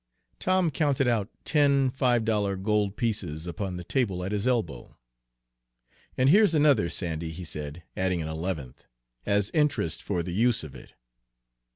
Tom counted out ten five dollar gold pieces upon the table at his elbow. "And here's another, Sandy," he said, adding an eleventh, "as interest for the use of it."